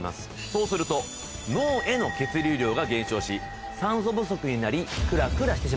そうすると脳への血流量が減少し酸素不足になり。